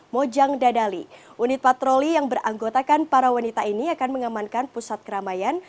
mojang dadali unit patroli yang beranggotakan para wanita ini akan mengamankan pusat keramaian